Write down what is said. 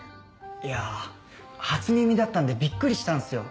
いやぁ初耳だったんでビックリしたんすよ。